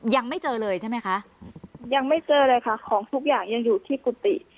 ยังไม่เจอเลยใช่ไหมคะยังไม่เจอเลยค่ะของทุกอย่างยังอยู่ที่กุฏิ